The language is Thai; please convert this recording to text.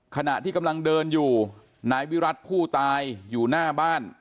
ขณะที่กำลังเดินอยู่นายวิรัติผู้ตายอยู่หน้าบ้าน